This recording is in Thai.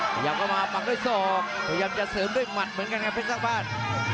พยายามเข้ามาปักด้วยศอกพยายามจะเสริมด้วยหมัดเหมือนกันครับเพชรสร้างบ้าน